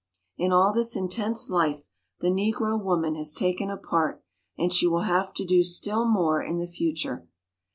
In all this intense life the Negro woman has taken a part, and she will have to do still more in the future.